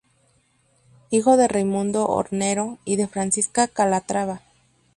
Hijo de Raimundo Hornero y de Francisca Calatrava.